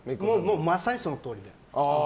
まさにそのとおりで。